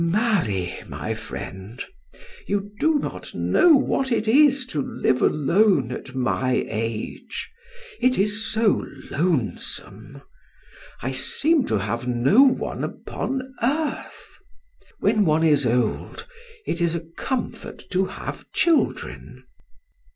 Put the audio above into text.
Marry, my friend; you do not know what it is to live alone at my age. It is so lonesome. I seem to have no one upon earth. When one is old it is a comfort to have children."